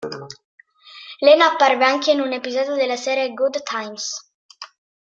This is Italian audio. Leno apparve anche in un episodio della serie "Good Times".